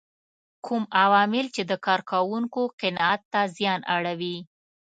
کوم عوامل چې د کار کوونکو قناعت ته زیان اړوي.